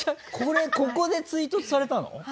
これここで追突されたの？